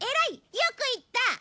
よく言った！